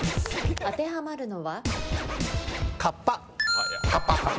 当てはまるのは？